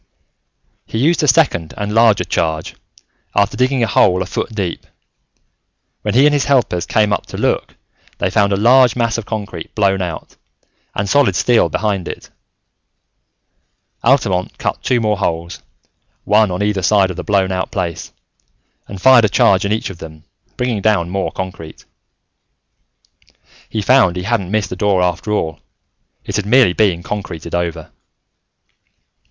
He used a second and larger charge, after digging a hole a foot deep. When he and his helpers came up to look, they found a large mass of concrete blown out, and solid steel behind it. Altamont cut two more holes, one on either side of the blown out place, and fired a charge in each of them, bringing down more concrete. He found he hadn't missed the door after all. It had merely been concreted over.